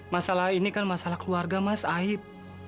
masalah ini kan masalah keluarga mas aib